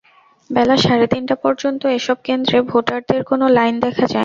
বেলা সাড়ে তিনটা পর্যন্ত এসব কেন্দ্রে ভোটারদের কোনো লাইন দেখা যায়নি।